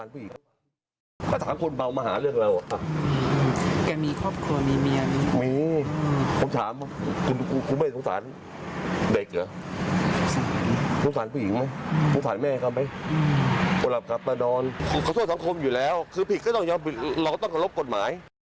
พูดถูกภาษา